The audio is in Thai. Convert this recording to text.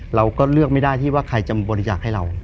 เราก็เลือกไม่ได้ที่ว่าใครจะบริจาคให้เรา